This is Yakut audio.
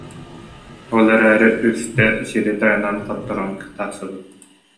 Ол эрээри үстэ сири тайанан хотторон тахсыбыт